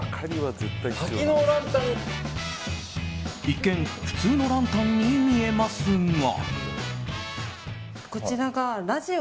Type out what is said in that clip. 一見、普通のランタンに見えますが。